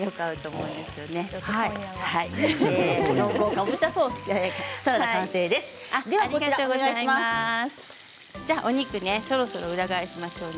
お肉そろそろ裏返しましょうね。